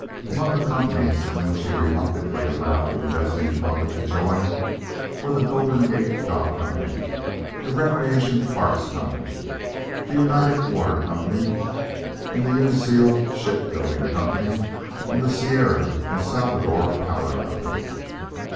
Among the companies in which he reluctantly allowed the investing public to join were the Golden Gate Dock Company, and Recreation Parks Company, the United Water Company, the Uncial Shipbuilding Company, and the Sierra and Salvador Power Company.